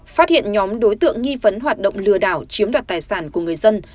phát hiện nhóm đối tượng nghi vấn hoạt động lừa đảo chiếm đoạt tài sản của người dân